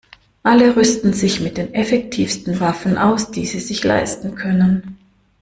Alle rüsten sich mit den effektivsten Waffen aus, die sie sich leisten können.